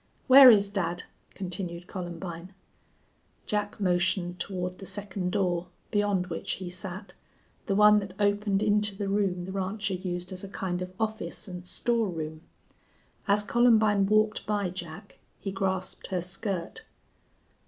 "Where is dad?" continued Columbine. Jack motioned toward the second door, beyond which he sat, the one that opened into the room the rancher used as a kind of office and storeroom. As Columbine walked by Jack he grasped her skirt.